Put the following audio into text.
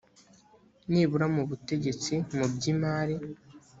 nibura mu butegetsi mu by imari